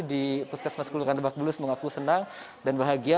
di puskesmas kelurahan lebak bulus mengaku senang dan bahagia